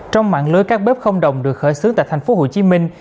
trong mạng lưới các bếp không đồng được khởi xướng tại thành phố hồ chí minh